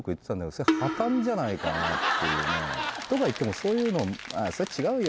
それ「破綻」じゃないかなっていうね。とか言ってもそういうのを「それ違うよ！」